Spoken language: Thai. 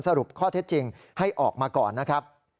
สรุปข้อเท็จจริงให้ออกมาก่อนนะครับ